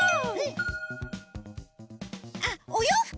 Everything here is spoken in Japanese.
あっおようふく！